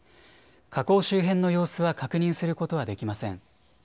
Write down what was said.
火口周辺の様子は確認することができません。